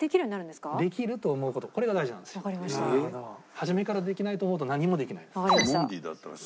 初めからできないと思うと何もできないです。